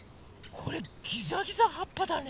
これギザギザはっぱだね。